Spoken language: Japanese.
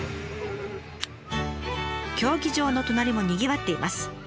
競技場の隣もにぎわっています。